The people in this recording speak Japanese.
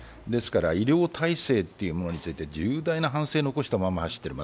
医療体制というものについて重大な反省を残したまままだ走っている。